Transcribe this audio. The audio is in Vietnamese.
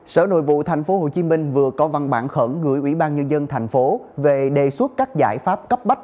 sở nội vụ tp hcm vừa có văn bản khẩn gửi ủy ban nhân dân tp về đề xuất các giải pháp cấp bách